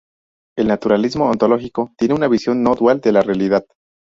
El naturalismo ontológico tiene una visión no dual de la realidad.